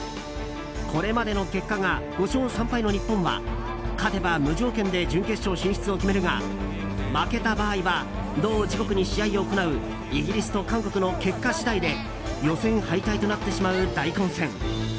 これまでの結果が５勝３敗の日本は勝てば無条件で準決勝進出を決めるが負けた場合は同時刻に試合を行うイギリスと韓国の結果次第で予選敗退となってしまう大混戦。